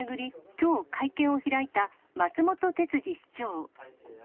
きょう会見を開いた松本哲治市長。